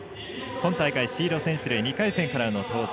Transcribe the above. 今大会シード選手で２回戦からの登場。